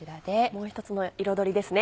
もう一つの彩りですね。